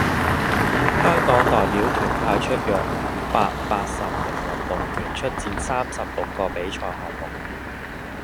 香港代表團派出約五百八十名運動員出戰三十六個比賽項目